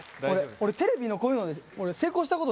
俺テレビのこういうのでハハハハッ！